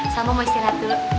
sama mau istirahat dulu